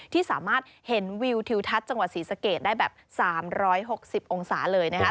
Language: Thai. ที่สามารถเห็นวิวทิวทัศน์จังหวัดศรีสะเกดได้แบบ๓๖๐องศาเลยนะครับ